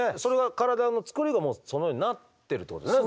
体のつくりがそのようになってるってことですね。